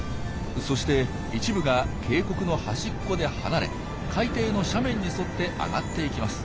そして一部が渓谷の端っこで離れ海底の斜面に沿って上がっていきます。